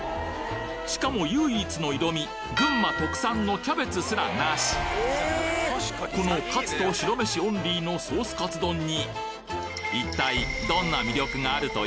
しかも唯一の色味群馬特産のキャベツすらなしこのカツと白飯オンリーのソースカツ丼に一体